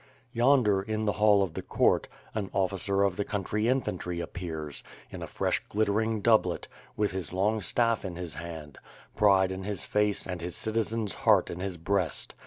Yonder, in the hall of the court, an officer of the country infantry appears, in a fresh glittering doublet, with his long staff in his hand; pride in his face and his citi zen's heart in his breast.